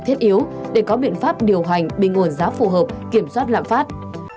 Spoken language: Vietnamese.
thiết yếu để có biện pháp điều hành bình ổn giá phù hợp kiểm soát lạm phát